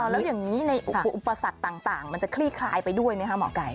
แล้วอย่างนี้ในอุปสรรคต่างมันจะคลี่คลายไปด้วยไหมคะหมอไก่